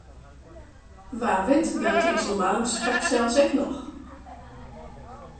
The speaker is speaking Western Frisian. Wa wit meldt de Iselmar him straks ek noch.